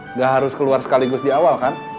nggak harus keluar sekaligus di awal kan